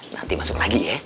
nanti masuk lagi ya